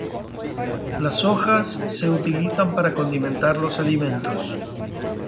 Las hojas se utilizan para condimentar los alimentos.